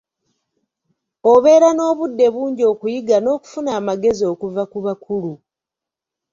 Obeera n'obudde bungi okuyiga n'okufuna amagezi okuva ku bakulu.